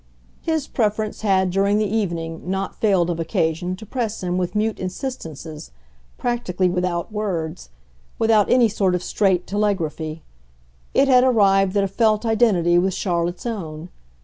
His preference had, during the evening, not failed of occasion to press him with mute insistences; practically without words, without any sort of straight telegraphy, it had arrived at a felt identity with Charlotte's own.